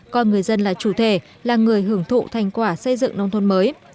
còn người dân là chủ thể là người hưởng thụ thành quả xây dựng nông thuận mới